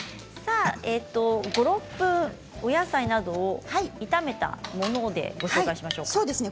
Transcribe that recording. ５、６分お野菜などを炒めたものでご紹介しましょうか。